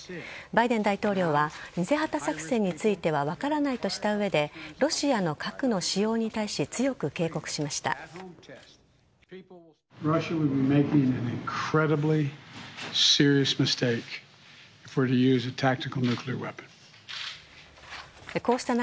バイデン大統領は偽旗作戦については分からないとした上でロシアの核の使用に対し強く警告しました。